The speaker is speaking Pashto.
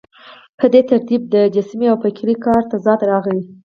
په دې ترتیب د جسمي او فکري کار تضاد راغی.